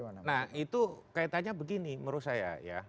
nah itu kaitannya begini menurut saya ya